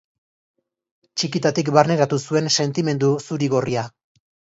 Txikitatik barneratu nuen sentimendu zuri-gorria.